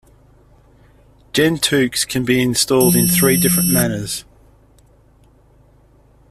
Gentoox can be installed in three different manners.